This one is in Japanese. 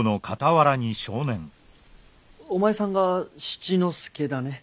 お前さんが七之助だね？